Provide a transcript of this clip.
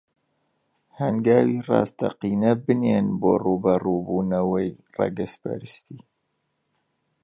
هەنگاوی ڕاستەقینە بنێن بۆ ڕووبەڕووبوونەوەی ڕەگەزپەرستی